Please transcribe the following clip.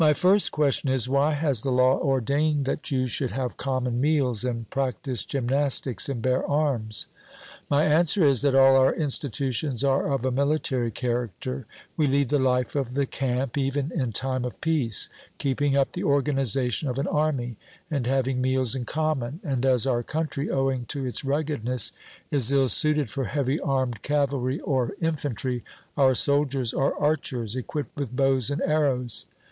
My first question is, Why has the law ordained that you should have common meals, and practise gymnastics, and bear arms? 'My answer is, that all our institutions are of a military character. We lead the life of the camp even in time of peace, keeping up the organization of an army, and having meals in common; and as our country, owing to its ruggedness, is ill suited for heavy armed cavalry or infantry, our soldiers are archers, equipped with bows and arrows.